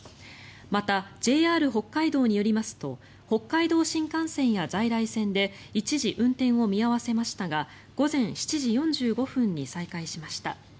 また、ＪＲ北海道によりますと北海道新幹線や在来線で一時運転を見合わせましたが午前７時４５分に再開しました。